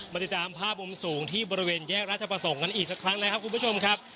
ติดตามภาพมุมสูงที่บริเวณแยกราชประสงค์กันอีกสักครั้งนะครับคุณผู้ชมครับ